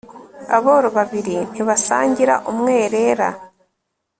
aboro babiri ntibasangira umwerera